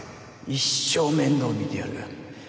一生面倒見てやる。